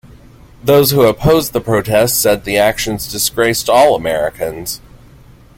Those who opposed the protest said the actions disgraced all Americans.